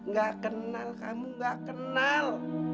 nggak kenal kamu nggak kenal